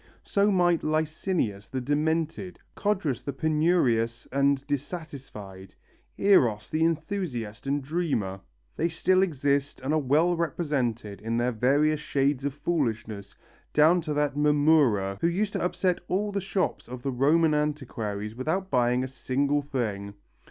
So might Lycinius the demented, Codrus the penurious and dissatisfied, Eros the enthusiast and dreamer. They still exist and are well represented in their various shades of foolishness down to that Mamurra who used to upset all the shops of the Roman antiquaries without buying a single thing.